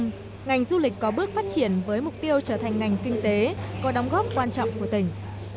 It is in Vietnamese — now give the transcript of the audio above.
nhưng ngành du lịch có bước phát triển với mục tiêu trở thành ngành kinh tế có đóng góp quan trọng của tỉnh